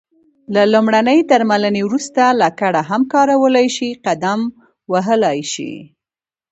له لمرینې درملنې وروسته لکړه هم کارولای شې، قدم وهلای شې.